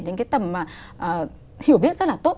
đến cái tầm mà hiểu biết rất là tốt